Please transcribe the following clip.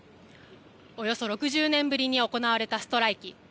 およそ６０年ぶりに行われたストライキ。